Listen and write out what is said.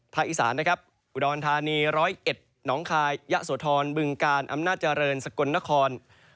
ภาคอีสานอุดรธานี๑๐๑น้องคายยะสวทรบึงกาลอำนาจรรย์สกลนคร